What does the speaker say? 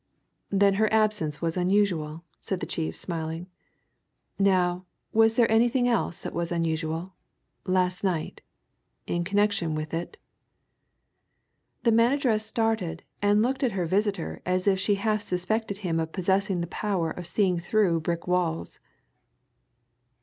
"Then her absence was unusual," said the chief smiling. "Now, was there anything else that was unusual, last night in connection with it?" The manageress started and looked at her visitor as if she half suspected him of possessing the power of seeing through brick walls.